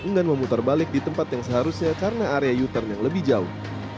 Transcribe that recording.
enggan memutar balik di tempat yang seharusnya karena area uter yang lebih jauh